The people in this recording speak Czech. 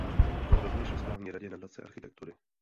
Byl rovněž ve správní radě Nadace architektury.